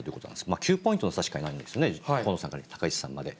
９ポイントの差しかないんですね、河野さんから高市さんまで。